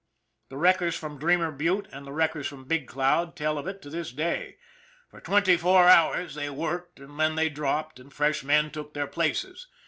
The wreckers from Dreamer Butte and the wreckers from Big Cloud tell of it to this day. For twenty four hours they worked and then they dropped and fresh men took their places.